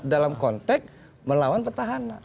dalam konteks melawan petahana